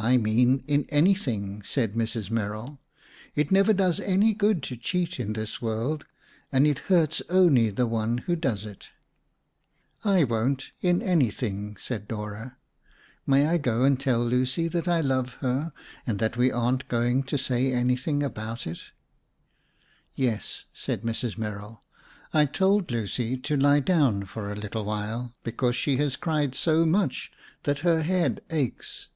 "I mean in anything," said Mrs. Merrill. "It never does any good to cheat in this world, and it hurts only the one who does it." "I won't, in anything," said Dora. "May I go and tell Lucy that I love her and that we aren't going to say anything about it?" "Yes," said Mrs. Merrill. "I told Lucy to lie down for a little while because she has cried so much that her head aches.